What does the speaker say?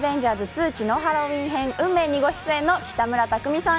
２血のハロウィン編、運命にご出演の北村匠海さん